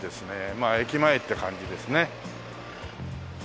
まあ駅前って感じですね。